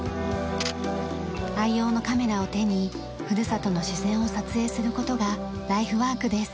愛用のカメラを手にふるさとの自然を撮影する事がライフワークです。